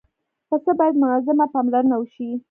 پسه باید منظمه پاملرنه وشي.